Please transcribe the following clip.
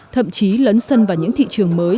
thậm chí lấn sân vào những thị trường mới